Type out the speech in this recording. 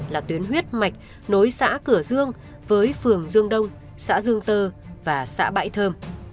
là tuyến huyết mạch nối xã cửa dương với phường dương đông xã dương tơ và xã bãi thơm